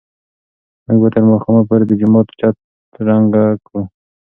موږ به تر ماښامه پورې د جومات چت رنګ کړو.